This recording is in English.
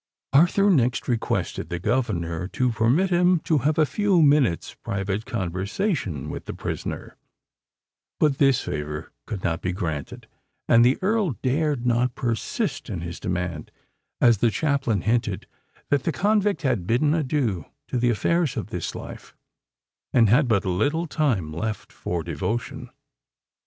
Arthur next requested the governor to permit him to have a few minutes' private conversation with the prisoner: but this favour could not be granted—and the Earl dared not persist in his demand, as the chaplain hinted that the convict had bidden adieu to the affairs of this life, and had but little time left for devotion.